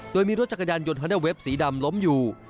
โดยมีรถจักรยานยนต์ฮอนด้าเวฟสีดำล้มอยู่